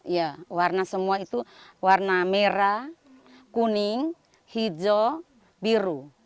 ya warna semua itu warna merah kuning hijau biru